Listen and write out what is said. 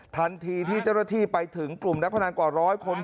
ทันทีที่เจ้าหน้าที่ไปถึงกลุ่มนักพนันกว่าร้อยคน